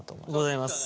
ございます。